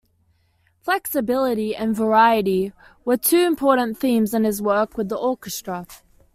"Flexibility" and "variety" were two important themes in his work with the orchestra.